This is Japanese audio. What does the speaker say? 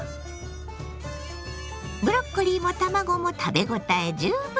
ブロッコリーも卵も食べ応え十分。